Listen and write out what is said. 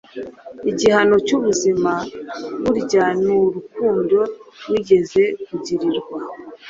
igihano cy’ubuzima burya ni urukundo wigeze kugirirwa